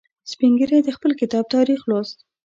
سپین ږیری د خپل کتاب تاریخ لوست.